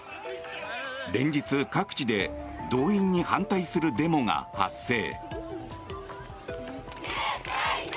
連日、各地で動員に反対するデモが発生。